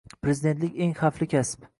Prezidentlik eng xavfli kasb